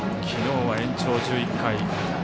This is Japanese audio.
きのうは延長１１回。